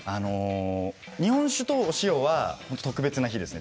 日本酒と塩は特別な日ですね。